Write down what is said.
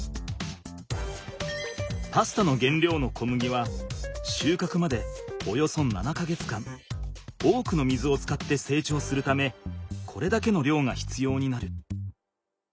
パスタのげんりょうの小麦はしゅうかくまでおよそ７か月間多くの水を使ってせいちょうするためこれだけの量が必要になる。